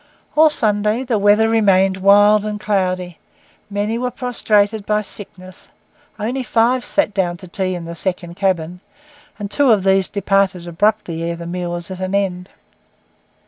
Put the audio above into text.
All Sunday the weather remained wild and cloudy; many were prostrated by sickness; only five sat down to tea in the second cabin, and two of these departed abruptly ere the meal was at an end.